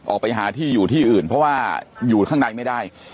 ออกไปหาที่อยู่ที่อื่นเพราะว่าอยู่ข้างในไม่ได้